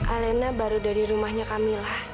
alena baru dari rumahnya kamilah